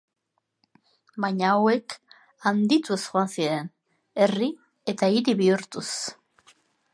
Baina hauek handituz joan ziren, herri eta hiri bihurtuz.